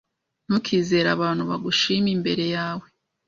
Ntukizere abantu bagushima imbere yawe.